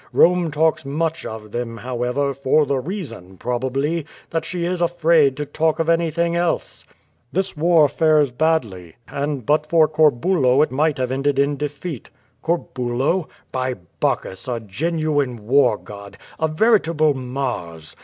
Rome talks much of them, how ever, for the reason, probably, that she is afraid to talk of anything else." "This war fares badly, and but for Corbulo it might have ended in defeat.^' "Corbulo? By Bacchus, a genuine war god, a veritable Mars.